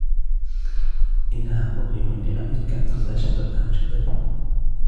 انها مؤلم لأميركا أن تخسر شبابها وشاباتها.